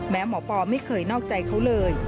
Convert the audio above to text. หมอปอไม่เคยนอกใจเขาเลย